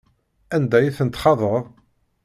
Anda ay ten-txaḍeḍ?